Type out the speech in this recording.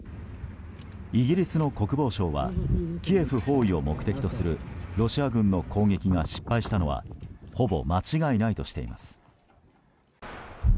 イギリスの国防省はキエフ包囲を目的とするロシア軍の攻撃が失敗したのはほぼ間違いないとしています。